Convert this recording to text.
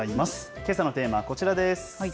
けさのテーマはこちらです。